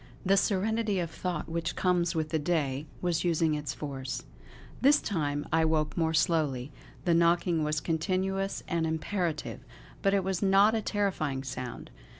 The serenity of thought which comes with the day was using its force.... This time I woke more slowly. The knocking was continuous and imperative; but it was not a terrifying sound.